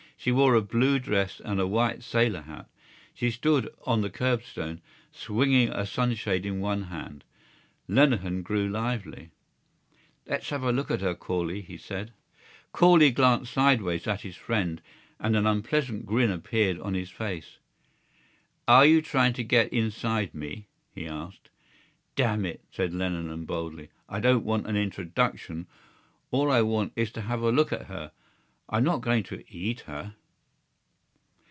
She wore a blue dress and a white sailor hat. She stood on the curbstone, swinging a sunshade in one hand. Lenehan grew lively. "Let's have a look at her, Corley," he said. Corley glanced sideways at his friend and an unpleasant grin appeared on his face. "Are you trying to get inside me?" he asked. "Damn it!" said Lenehan boldly, "I don't want an introduction. All I want is to have a look at her. I'm not going to eat her."